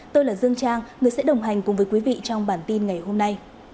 tôi là dương trang người sẽ đồng hành cùng với quý vị trong bản tin ngày hôm nay